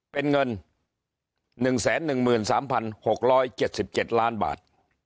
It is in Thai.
เป็นเงิน๑๑๓๖๗๗ล้านบาท